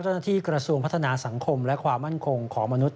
เจ้าหน้าที่กระทรวงพัฒนาสังคมและความมั่นคงของมนุษย